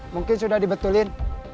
mungkin sudah dibetulin